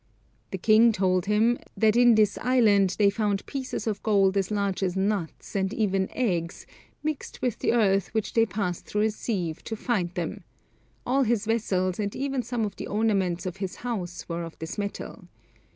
The king told him "that in this island they found pieces of gold as large as nuts, and even eggs, mixed with the earth which they passed through a sieve to find them; all his vessels and even some of the ornaments of his house were of this metal.